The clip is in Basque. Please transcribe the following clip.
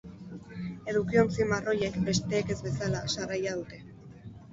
Edukiontzi marroiek, besteek ez bezala, sarraila dute.